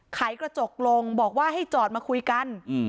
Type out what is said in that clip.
ไขกระจกลงบอกว่าให้จอดมาคุยกัน